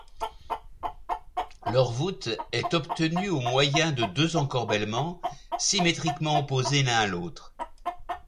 Leur voûte est obtenue au moyen de deux encorbellements symétriquement opposés l'un à l'autre.